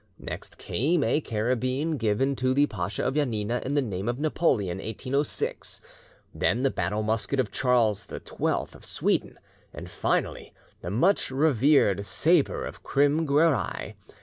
Next came a carabine given to the Pacha of Janina in the name of Napoleon in 1806; then the battle musket of Charles XII of Sweden, and finally— the much revered sabre of Krim Guerai.